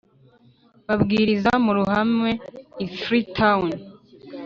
Babwiriza mu ruhame i freetown